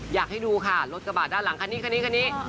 อยากให้ดูค่ะรถกระบาดด้านหลังค่ะนี่